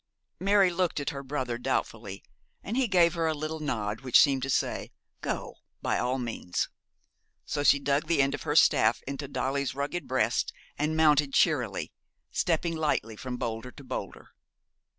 Mary looked at her brother doubtfully, and he gave her a little nod which seemed to say, 'Go, by all means;' so she dug the end of her staff into Dolly's rugged breast, and mounted cheerily, stepping lightly from boulder to boulder.